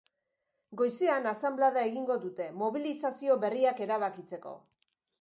Goizean asanblada egingo dute, mobilizazio berriak erabakitzeko.